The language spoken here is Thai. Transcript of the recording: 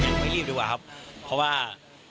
ไม่รีบดีกว่าครับเพราะว่า